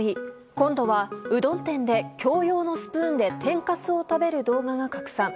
今度は、うどん店で共用のスプーンで天かすを食べる動画が拡散。